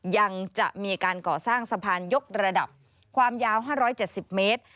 ยังจะมีการก่อสร้างสะพานยกระดับความยาว๕๗๐เมตร